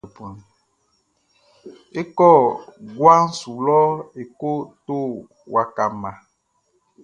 E kɔ guaʼn su lɔ e ko to waka mma.